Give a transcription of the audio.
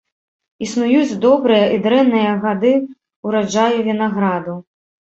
Існуюць добрыя і дрэнныя гады ўраджаю вінаграду.